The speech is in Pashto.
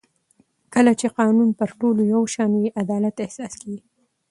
کله چې قانون پر ټولو یو شان وي عدالت احساس کېږي